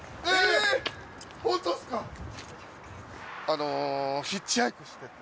あのヒッチハイクしてて・